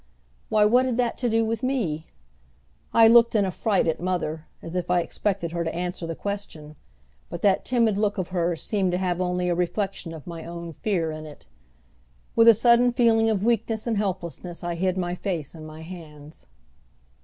Why, what had that to do with me? I looked in a fright at mother, as if I expected her to answer the question; but that timid look of hers seemed to have only a reflection of my own fear in it. With a sudden feeling of weakness and helplessness I hid my face in my hands.